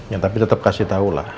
ya tapi tetep kasih tau lah